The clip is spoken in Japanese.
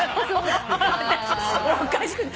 私おかしくて。